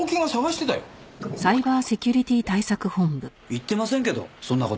言ってませんけどそんな事。